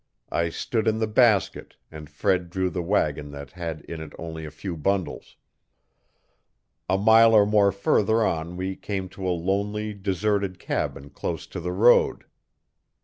I stood in the basket and Fred drew the wagon that had in it only a few bundles. A mile or more further on we came to a lonely, deserted cabin close to the road.